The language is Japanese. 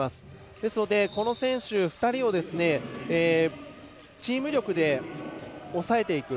ですので、この選手２人をチーム力で抑えていく。